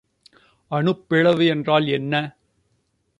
அனுப்பிளவு என்றால் என்ன?